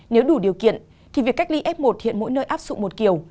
nếu đủ điều kiện thì việc cách ly f một hiện mỗi nơi áp dụng một kiểu